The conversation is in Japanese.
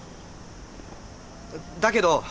だけど。